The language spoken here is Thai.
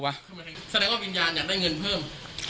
น่าจะรู้ว่ามีอาตราอยากได้เงินเพิ่ม